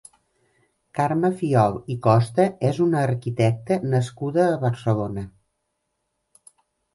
Carme Fiol i Costa és una arquitecta nascuda a Barcelona.